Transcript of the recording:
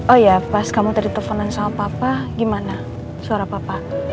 oh iya pas kamu tadi teleponan sama papa gimana suara papa